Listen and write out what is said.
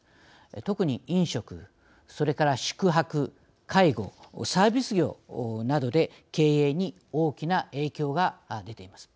特に飲食、それから宿泊、介護サービス業などで経営に大きな影響が出ています。